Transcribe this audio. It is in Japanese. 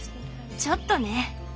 ちょっとね。